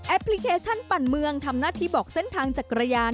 พลิเคชันปั่นเมืองทำหน้าที่บอกเส้นทางจักรยาน